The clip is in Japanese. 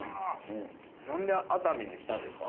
何で熱海にしたんですか？